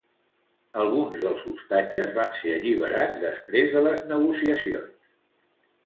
Alguns dels ostatges van ser alliberats després de les negociacions.